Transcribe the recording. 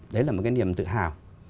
đấy là một cái niềm tự hào